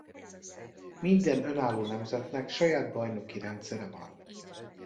Minden önálló nemzetnek saját bajnoki rendszere van.